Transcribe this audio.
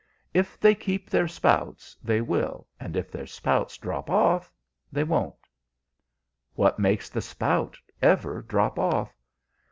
If they keep their spouts, they will; and if their spouts drop off, they won't." "What makes the spout ever drop off?"